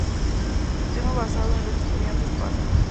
Tema basado en "Los estudiantes pasan".